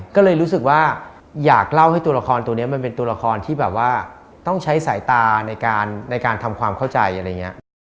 ก็เลยรู้สึกว่าอยากเล่าให้ตัวละครตัวนี้มันเป็นตัวละครที่แบบว่าต้องใช้สายตาในการทำความเข้าใจอะไรอย่างนี้